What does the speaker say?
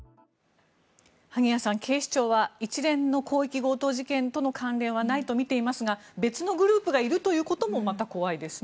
萩谷さん、警視庁は一連の広域強盗事件との関係はないとみていますが別のグループがいるということもまた怖いですね。